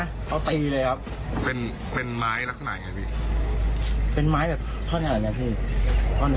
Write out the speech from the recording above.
เขาตีเลยครับเป็นเป็นไม้ลักษณะยังไงพี่เป็นไม้แบบท่อนแหล่งอย่างงี้